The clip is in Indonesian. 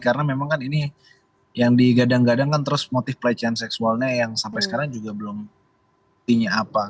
karena memang kan ini yang digadang gadangkan terus motif pelecehan seksualnya yang sampai sekarang juga belum tinya apa